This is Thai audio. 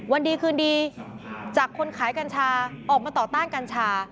วันดีคืนดีจากคนขายกัญชาออกมาต่อต้านกัญชา